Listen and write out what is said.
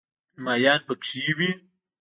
ماهیان پکې وي.